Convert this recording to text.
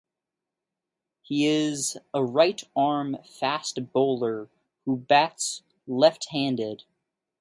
He is a right arm fast bowler who bats left-handed.